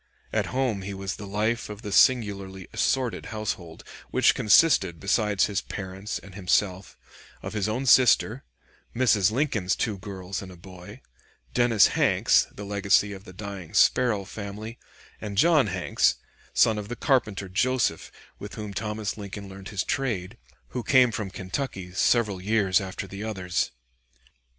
At home he was the life of the singularly assorted household, which consisted, besides his parents and himself, of his own sister, Mrs. Lincoln's two girls and boy, Dennis Hanks, the legacy of the dying Sparrow family, and John Hanks (son of the carpenter Joseph with whom Thomas Lincoln learned his trade), who came from Kentucky several years after the others.